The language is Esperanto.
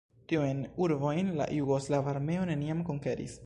Tiujn urbojn la jugoslava armeo neniam konkeris.